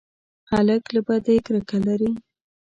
هلک له بدۍ کرکه لري.